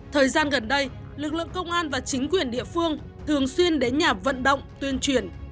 thời gian gần đây lực lượng công an và chính quyền địa phương thường xuyên đến nhà vận động tuyên truyền